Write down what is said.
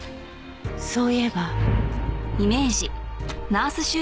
そういえば。